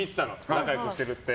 仲良くしてるって。